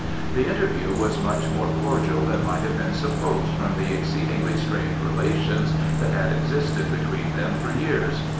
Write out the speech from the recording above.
The interview was much more cordial than might have been supposed from the exceedingly strained relations that had existed between them for years.